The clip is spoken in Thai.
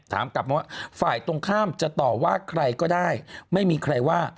ถามกลับมาว่าฝ่ายตรงข้ามจะต่อว่าใครก็ได้ไม่มีใครว่า